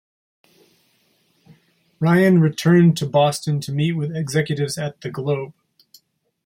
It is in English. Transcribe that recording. Ryan returned to Boston to meet with executives at the "Globe".